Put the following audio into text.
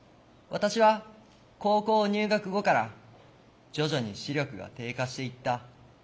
私は高校入学後から徐々に視力が低下していった。